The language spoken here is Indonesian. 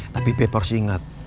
tapi beb harus ingat